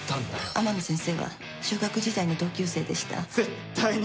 天野先生は中学時代の同級生でした。